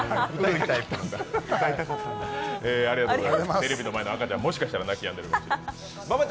テレビの前の赤ちゃんももしかしたら泣きやんでるかもしれません。